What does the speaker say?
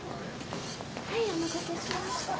はいお待たせしました。